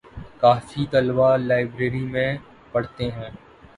کافی طلبہ لائبریری میں پڑھتے ہیں